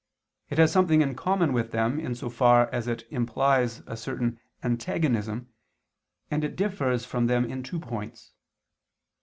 It has something in common with them, in so far as it implies a certain antagonism, and it differs from them in two points.